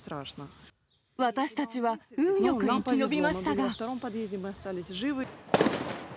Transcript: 私たちは運よく生き延びましたが。